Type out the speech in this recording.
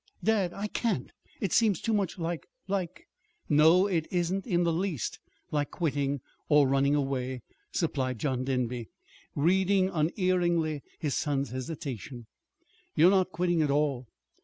"Dad, I can't. It seems too much like like " "No, it isn't in the least like quitting, or running away," supplied John Denby, reading unerringly his son's hesitation. "You're not quitting at all.